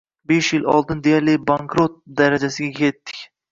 Besh yil oldin deyarli bankrot darajasiga yetdik.